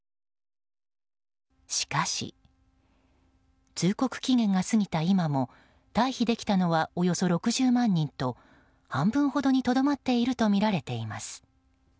しかし、通告期限が過ぎた今も退避できたのはおよそ６０万人と半分ほどにとどまっているとみられています。